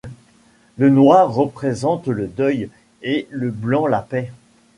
Le noir représente le deuil et le blanc la paix.